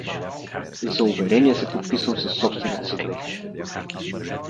За уверение се подписвам със собствената си кръв.